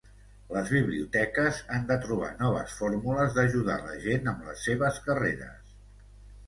Les biblioteques han de trobar noves fórmules d'ajudar la gent amb les seves carreres.